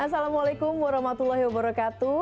assalamualaikum warahmatullahi wabarakatuh